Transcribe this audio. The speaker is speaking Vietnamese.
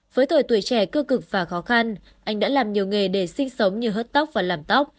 với thời tuổi trẻ cơ cực và khó khăn anh đã làm nhiều nghề để sinh sống như hớt tóc và làm tóc